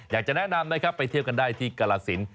อยากจะแนะนำนะครับไปเที่ยวกันได้ที่กรสิน